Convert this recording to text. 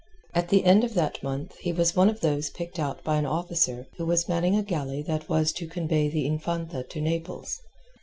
At the end of that month he was one of those picked out by an officer who was manning a galley that was to convey the Infanta to Naples.